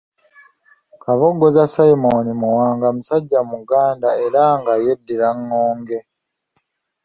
Kabogoza Simon Muwanga musajja Muganda era nga yeddira ŋŋonge.